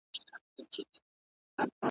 چي سړی به یې شعر نه سي بللای `